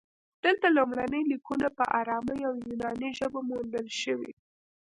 دلته لومړني لیکونه په ارامي او یوناني ژبو موندل شوي